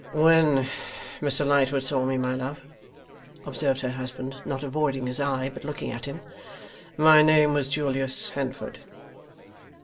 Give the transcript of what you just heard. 'When Mr Lightwood saw me, my love,' observed her husband, not avoiding his eye, but looking at him, 'my name was Julius Handford.